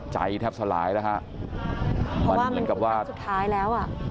ใจแทบสลายแล้วฮะเพราะว่ามันกลับสุดท้ายแล้วอ่ะ